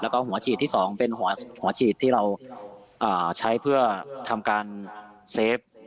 แล้วก็หัวฉีดที่๒เป็นหัวฉีดที่เราใช้เพื่อทำการเซฟ